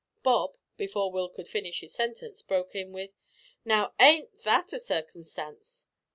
Bob, before Will could finish his sentence, broke in with "Now, ain't that a su'cumstance?